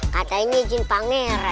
kadang ini jin pangeran